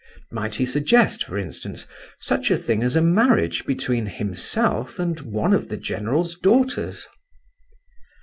Might he suggest, for instance, such a thing as a marriage between himself and one of the general's daughters?